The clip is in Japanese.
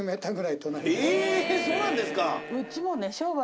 ええっそうなんですか。